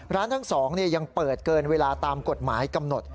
ทั้ง๒ยังเปิดเกินเวลาตามกฎหมายกำหนด